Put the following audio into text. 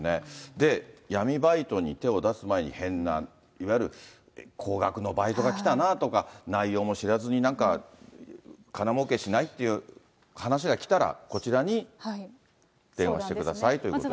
で、闇バイトに手を出す前に、変な、いわゆる高額のバイトがきたなとか、内容も知らずに、なんか金もうけしない？っていう話がきたら、こちらに電話してくださいということですね。